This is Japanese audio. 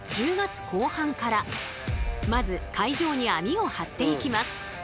まず海上に網を張っていきます。